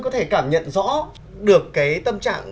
để cảm nhận rõ được cái tâm trạng